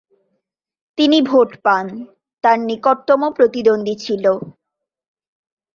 তিনি ভোট পান, তার নিকটতম প্রতিদ্বন্দ্বী ছিল।